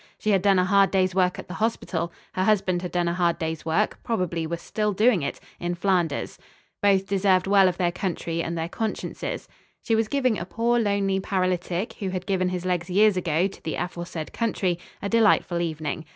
She had done a hard day's work at the hospital; her husband had done a hard day's work probably was still doing it in Flanders. Both deserved well of their country and their consciences. She was giving a poor lonely paralytic, who had given his legs years ago to the aforesaid country, a delightful evening.